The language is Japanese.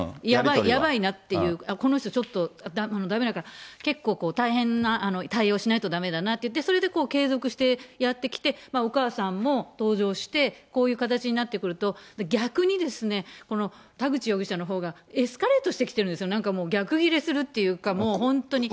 やばいなっていう、この人ちょっとだめだから、結構大変な対応しないとだめだなって、それで継続してやって来て、お母さんも登場して、こういう形になってくると、逆にですね、田口容疑者のほうがエスカレートしてきてるんですよ、なんかもう、逆切れするっていうか、本当に。